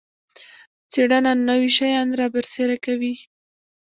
څیړنه نوي شیان رابرسیره کوي